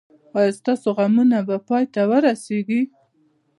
ایا ستاسو غمونه به پای ته ورسیږي؟